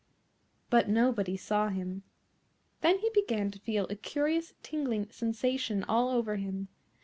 But nobody saw him. Then he began to feel a curious tingling sensation all over him.